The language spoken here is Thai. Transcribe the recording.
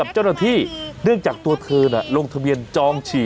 แจ้งไปที่๑๕๑ข้อมูล